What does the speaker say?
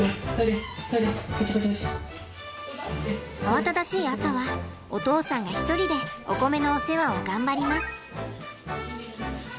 慌ただしい朝はお父さんが一人でおこめのお世話を頑張ります。